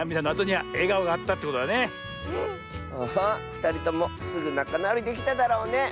ふたりともすぐなかなおりできただろうね。